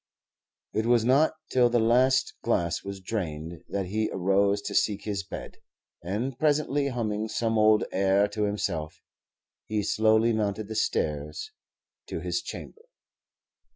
It was not till the last glass was drained that he arose to seek his bed, and presently humming some old air to himself, he slowly mounted the stairs to his chamber.